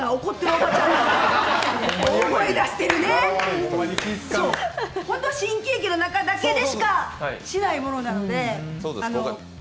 ほんと新喜劇の中だけしかしないものなので。